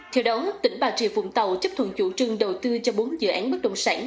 theo đó tỉnh bà rịa vũng tàu chấp thuận chủ trương đầu tư cho bốn dự án bất động sản